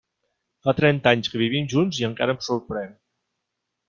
Fa trenta anys que vivim junts i encara em sorprèn.